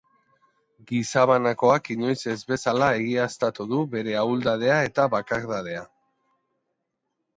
Gizabanakoak inoiz ez bezala egiaztatu du bere ahuldadea eta bakardadea.